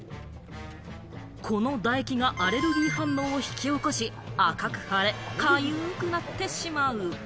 この唾液がアレルギー反応を引き起こし、赤く腫れ、痒くなってしまう。